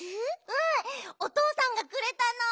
うんおとうさんがくれたの。